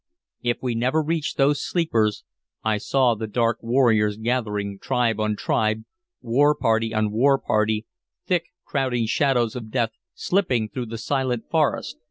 If we never reached those sleepers I saw the dark warriors gathering, tribe on tribe, war party on war party, thick crowding shadows of death, slipping though the silent forest...